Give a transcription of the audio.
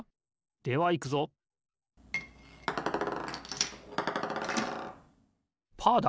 ではいくぞパーだ！